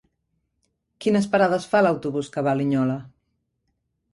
Quines parades fa l'autobús que va a Linyola?